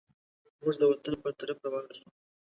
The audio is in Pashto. موږ د وطن پر طرف روان سوو.